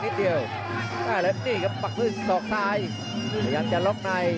นิดเดียวอ่าแล้วนี่ครับปักพื้นสอกซ้ายยังจะล๊อคใน